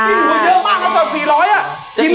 อิ่มมือเยอะมากนะสำหรับ๔๐๐บาท